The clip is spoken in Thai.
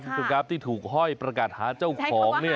คุณผู้ชมครับที่ถูกห้อยประกาศหาเจ้าของเนี่ย